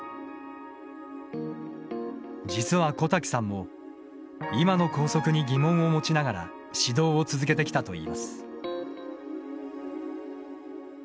実は小瀧さんも今の校則に疑問を持ちながら指導を続けてきたといいます。